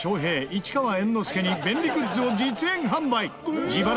市川猿之助に便利グッズを実演販売